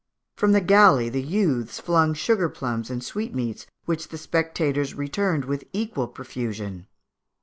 From the galley the youths flung sugar plums and sweetmeats, which the spectators returned in equal profusion.